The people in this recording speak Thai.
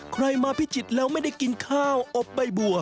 ใครมาพิจิตรแล้วไม่ได้กินข้าวอบใบบัว